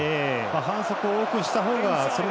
反則を多くした方が。